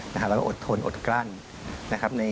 และอดทนอดกลั้น